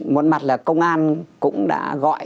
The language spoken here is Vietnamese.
một mặt là công an cũng đã gọi